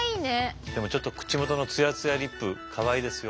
でもちょっと口元のつやつやリップかわいいですよ。